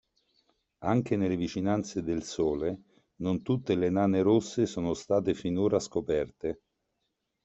Anche nelle vicinanze del Sole, non tutte le nane rosse sono state finora scoperte.